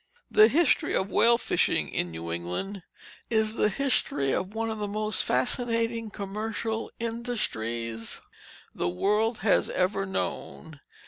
The history of whale fishing in New England is the history of one of the most fascinating commercial industries the world has ever known.